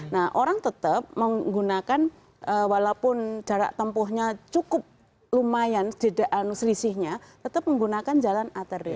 nah orang tetap menggunakan walaupun jarak tempuhnya cukup lumayan selisihnya tetap menggunakan jalan arteri